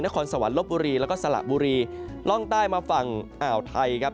คอสวรรค์ลบบุรีแล้วก็สละบุรีล่องใต้มาฝั่งอ่าวไทยครับ